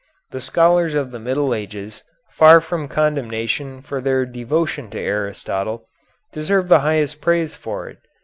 The scholars of the Middle Ages, far from condemnation for their devotion to Aristotle, deserve the highest praise for it.